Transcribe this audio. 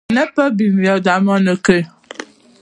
نه په بنيادامانو کښې.